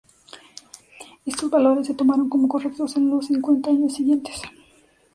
Estos valores se tomaron como correctos en los cincuenta años siguientes.